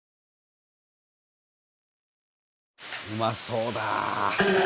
うまそうだ！